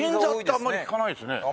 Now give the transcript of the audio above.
あんまり聞かないですね。